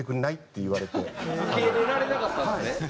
受け入れられなかったんですね。